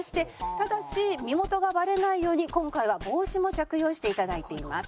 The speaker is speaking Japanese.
ただし身元がバレないように今回は帽子も着用していただいています。